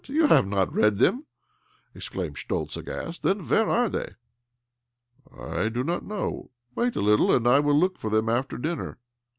You have not read them?" exclaimed Schtoltz, aghast. " Then where are they? "" I do not know. Wait a little, and I will look for them after dinner."